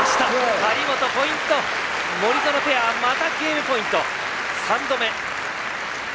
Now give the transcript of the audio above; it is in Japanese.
張本、森薗ペアまたゲームポイント、３度目。